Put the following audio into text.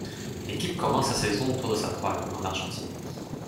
L'équipe commence sa saison au Tour de San Juan, en Argentine.